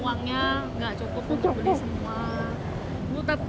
uangnya nggak cukup untuk beli semua